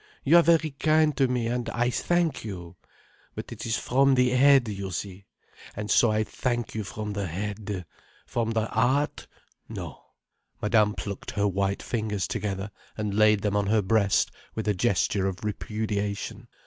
You are very kind to me, and I thank you. But it is from the head, you see. And so I thank you from the head. From the heart—no." Madame plucked her white fingers together and laid them on her breast with a gesture of repudiation.